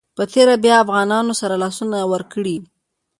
په تېره بیا افغانانو سره لاسونه ورکړي.